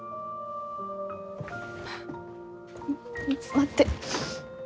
待って。